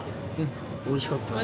おいしかったです。